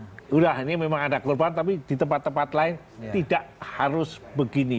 sudah ini memang ada korban tapi di tempat tempat lain tidak harus begini